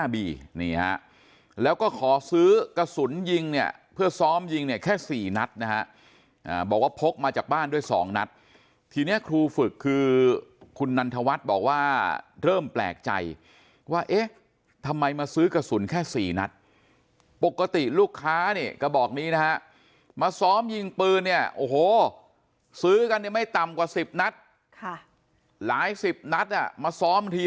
แล้วก็ขอซื้อกระสุนยิงเนี่ยเพื่อซ้อมยิงเนี่ยแค่๔นัดนะฮะบอกว่าพกมาจากบ้านด้วย๒นัดทีนี้ครูฝึกคือคุณนันทวัฒน์บอกว่าเริ่มแปลกใจว่าเอ๊ะทำไมมาซื้อกระสุนแค่๔นัดปกติลูกค้าเนี่ยกระบอกนี้นะฮะมาซ้อมยิงปืนเนี่ยโอ้โหซื้อกันเนี่ยไม่ต่ำกว่า๑๐นัดหลายสิบนัดอ่ะมาซ้อมที